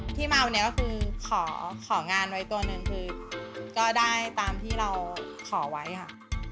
ที่มาวันนี้เขาคือของานไว้ตัวนึงก็ได้ตามที่เราขอไว้ค่ะ